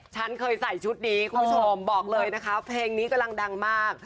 ฉันเคยใส่ชุดนี้คุณผู้ชมบอกเลยนะคะเพลงนี้กำลังดังมาก